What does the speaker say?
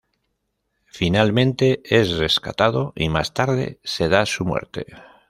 Finalmente, es rescatado y más tarde se da su muerte.